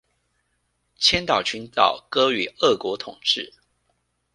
千島群島割予俄國統冶